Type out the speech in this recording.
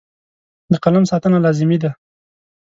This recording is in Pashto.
د قلم ساتنه لازمي ده.